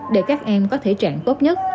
để các em có thể trạng tốt nhất